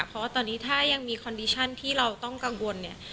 เพราะว่าตอนนี้ถ้ายังมีคอนดิชั่นที่เราต้องกังวลเนี่ย